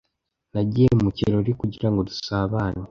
Nagiye mu kirori kugira ngo dusabane.